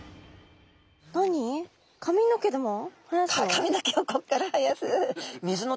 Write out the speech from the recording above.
髪の毛をこっから生やす。